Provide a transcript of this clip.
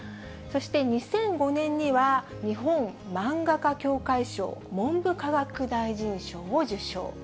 そして２００５年には日本漫画家協会賞文部科学大臣賞を受賞。